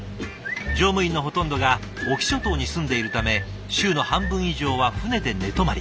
乗務員のほとんどが隠岐諸島に住んでいるため週の半分以上は船で寝泊まり。